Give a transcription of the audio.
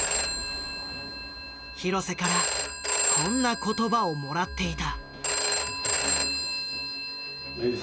廣瀬からこんな言葉をもらっていた。